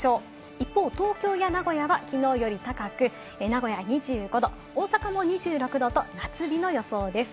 一方、東京や名古屋はきのうより高く、名古屋は２５度、大阪も２６度と、夏日の予想です。